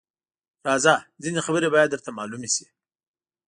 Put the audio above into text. _راځه! ځينې خبرې بايد درته مالومې شي.